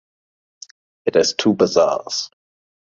It has two bazaars.